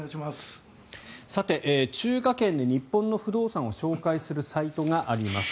さて、中華圏で日本の不動産を紹介するサイトがあります。